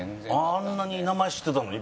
あんなに名前知ってたのに？